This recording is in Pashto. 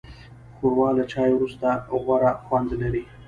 ښوروا له چای وروسته غوره خوند لري.